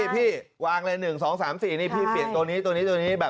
พี่วางเลย๑๒๓๔นี่พี่เปลี่ยนตัวนี้ตัวนี้ตัวนี้แบบ